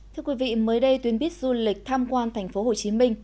thưa quý vị mới đây tuyên bít du lịch tham quan thành phố hồ chí minh